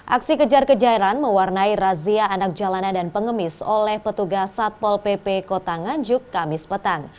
aksi kejar kejairan mewarnai razia anak jalanan dan pengemis oleh petugas satpol pp kota nganjuk kamis petang